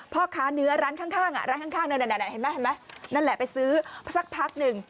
พ่อขาเนื้อร้านข้างนั่นแหละไปซื้อสักพักหนึ่ง